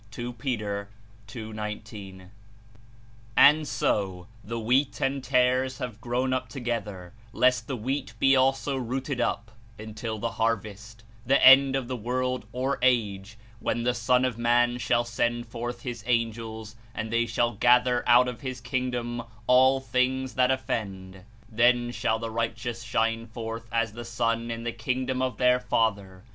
(2 Peter, 2.19.) And so the wheat and tares have grown up to gether, lest the wheat be also rooted up — "until the harvest" — "the end of the world (or age), when — *'The Son of fnan shall send forth his angels, and they shall gather out of his kingdom all things that offend/^ ^^Then shall the righteous shine forth as the sun in the kingdom of their Father.